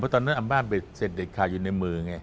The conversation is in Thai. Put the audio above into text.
เพราะตอนนั้นอำนาจเบสเศรษฐ์เด็ดขาดอยู่ในมือไง